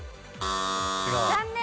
残念。